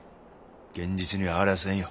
現実にはありゃせんよ。